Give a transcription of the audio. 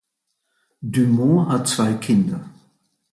Du Mont hat zwei Kinder.